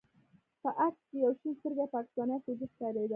په عکس کښې يو شين سترګى پاکستاني فوجي ښکارېده.